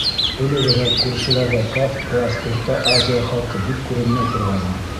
Элегерәк күршеләрҙә Кавказ, Урта Азия халҡы бик күренмәй торғайны.